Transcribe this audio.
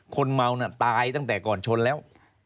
คนเมาน่ะตายตั้งแต่ก่อนชนแล้ว